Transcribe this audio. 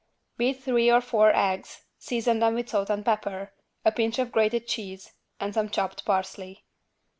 Beat three or four eggs, season them with salt and pepper, a pinch of grated cheese and some chopped parsley.